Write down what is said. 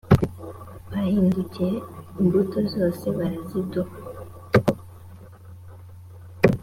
bahindukiyeimbuto zose baraziduha.